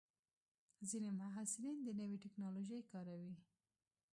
ځینې محصلین د نوې ټکنالوژۍ کاروي.